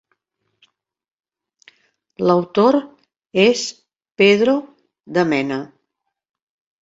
L'autor és Pedro de Mena.